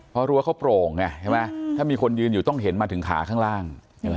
เพราะรู้ว่าเขาโปร่งไงถ้ามีคนยืนอยู่ต้องเห็นมาถึงขาข้างล่าง